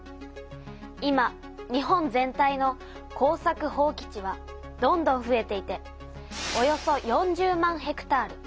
今日本全体の耕作放棄地はどんどんふえていておよそ４０万ｈａ。